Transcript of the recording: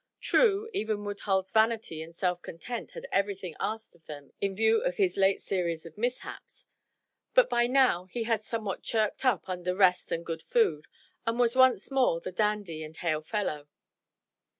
True, even Woodhull's vanity and self content had everything asked of them in view of his late series of mishaps; but by now he had somewhat chirked up under rest and good food, and was once more the dandy and hail fellow.